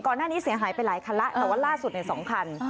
ก่อนหน้านี้เสียงหายไปหลายคันแล้วแต่ว่าล่าสุดในสองคัน